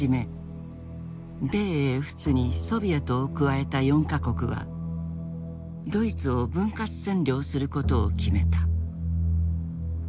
米英仏にソビエトを加えた４か国はドイツを分割占領することを決めた。